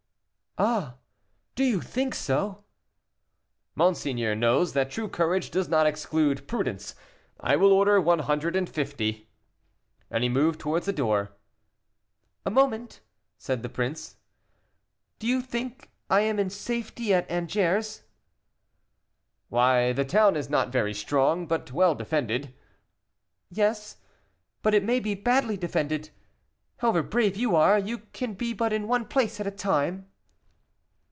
"Ah, do you think so?" "Monseigneur knows that true courage does not exclude prudence; I will order one hundred and fifty." And he moved towards the door. "A moment," said the prince. "Do you think I am in safety at Angers?" "Why, the town is not very strong, but well defended " "Yes, but it may be badly defended; however brave you are, you can be but in one place at a time."